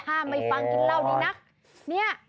ห้ามไม่ฟังกินเหล้านี่นะ